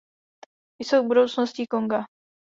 Jsou budoucností Konga.